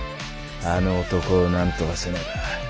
あの男をなんとかせねば。